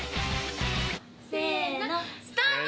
せのスタート！